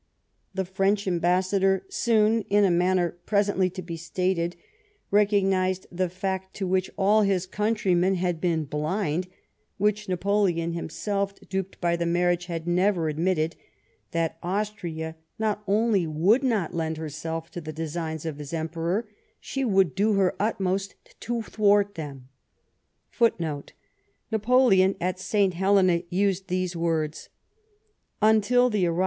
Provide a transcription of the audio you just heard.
The French ambassador soon, in a manner presently to be stated, recognised the fact to which all his countrymen had been blind, which Napoleon himself, duped by the marriage, had never admitted, that Austria not only would not lend herself to the designs of his Emperor ; she would do her utmost to thwart them.